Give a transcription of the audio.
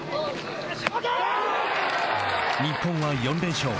日本は４連勝